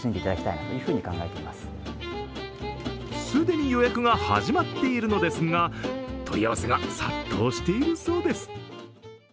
既に予約が始まっているのですが問い合わせが殺到しているそうです。